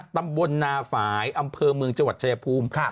ตำบลนาฝ่ายอำเภอเมืองจังหวัดชายภูมิ